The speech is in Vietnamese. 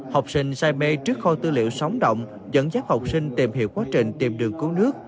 học sinh say mê trước kho tư liệu sóng động dẫn dắt học sinh tìm hiểu quá trình tìm đường cứu nước